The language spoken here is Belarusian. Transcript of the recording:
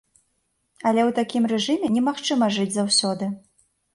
Але ў такім рэжыме немагчыма жыць заўсёды.